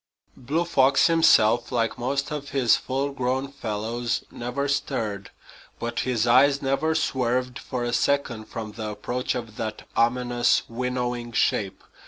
Blue Fox himself, like most of his full grown fellows, never stirred. But his eyes never swerved for a second from the approach of that ominous, winnowing shape.